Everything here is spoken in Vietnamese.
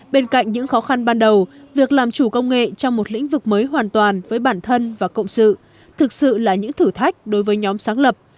bên cạnh những khó khăn ban đầu việc làm chủ công nghệ trong một lĩnh vực mới hoàn toàn với bản thân và cộng sự thực sự là những thử thách đối với nhóm sáng lập